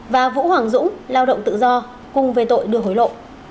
và vũ hoàng dũng lao động tự do cùng về tội đưa hối lộ